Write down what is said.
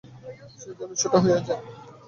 সে যেন ছোট হইয়া যায়।